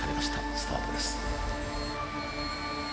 スタートです。